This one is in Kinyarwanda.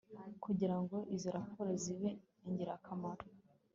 Kugira ngo izo raporo zibe ingirakamaro